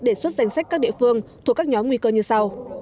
đề xuất danh sách các địa phương thuộc các nhóm nguy cơ như sau